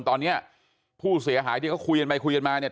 ตอนนี้ผู้เสียหายที่เขาคุยกันไปคุยกันมาเนี่ย